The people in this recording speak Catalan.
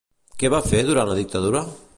Què va fer durant la dictadura?